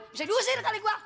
bisa diusir kali gua